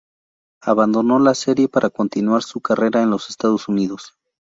Abandonó la serie para continuar su carrera en los Estados Unidos.